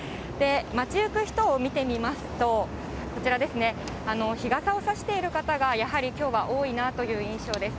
街行く人を見てみますと、こちらですね、日傘を差している方が、やはりきょうは多いなという印象です。